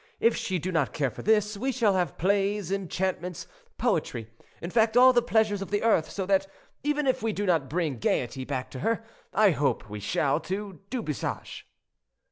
If she do not care for this, we shall have plays, enchantments, poetry—in fact, all the pleasures of the earth, so that, even if we do not bring gayety back to her, I hope we shall to Du Bouchage."